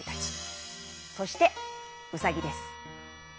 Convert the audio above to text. そしてうさぎです。